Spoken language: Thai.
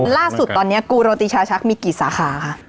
ล่าสุดตอนนี้กูโรติชาชักมีกี่สาขาคะ